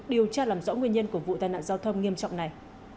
điều tra làm rõ nguyên nhân của vụ tai nạn giao thông nghiêm trọng này